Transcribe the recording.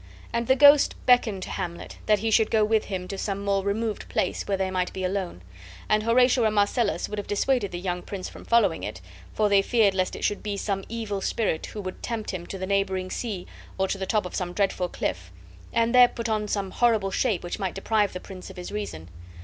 And the ghost beckoned to Hamlet, that he should go with him to some more removed place where they might be alone; and Horatio and Marcellus would have dissuaded the young prince from following it, for they feared lest it should be some evil spirit who would tempt him to the neighboring sea or to the top of some dreadful cliff, and there put on some horrible shape which might deprive the prince of his reason.